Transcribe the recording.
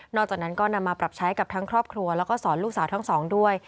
จากนั้นก็นำมาปรับใช้กับทั้งครอบครัวแล้วก็สอนลูกสาวทั้งสองด้วย